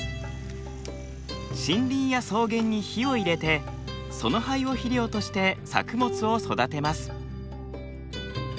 森林や草原に火を入れてその灰を肥料として作物を育てます。